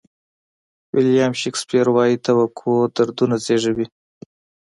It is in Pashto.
ویلیام شکسپیر وایي توقع دردونه زیږوي.